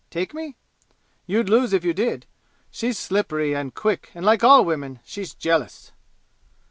Take me? You'd lose if you did! She's slippery, and quick, and like all Women, she's jealous!"